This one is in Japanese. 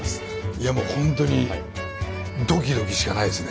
いやもうほんとにドキドキしかないですね。